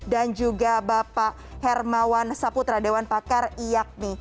dan juga bapak hermawan saputra dewan pakar iyakmi